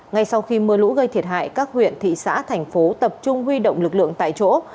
ngay sau khi mưa lũ gây thiệt hại các huyện thị xã thành phố tập trung huy động lực lượng tại chỗ